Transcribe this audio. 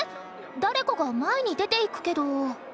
誰かが前に出ていくけど。